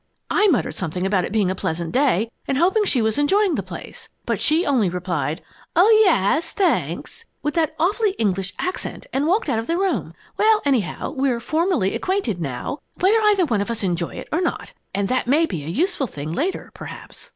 "I muttered something about it being a pleasant day and hoping she was enjoying the place. But she only replied, 'Oh, ya as, thanks!' with that awfully English accent, and walked out of the room. Well, anyhow, we're formally acquainted now (whether either one of us enjoy it or not!), and that may be a useful thing later, perhaps."